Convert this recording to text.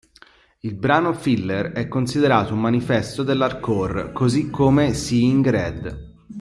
Il brano "Filler" è considerato "un manifesto dell'hardcore", così come "Seeing Red".